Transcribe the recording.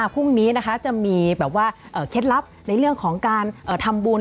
พรุ่งนี้นะคะจะมีแบบว่าเคล็ดลับในเรื่องของการทำบุญ